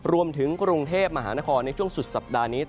รวมถึงกรุงเทพมหานครในช่วงสุดสัปดาห์นี้